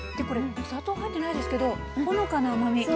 これお砂糖入ってないですけどほのかな甘み。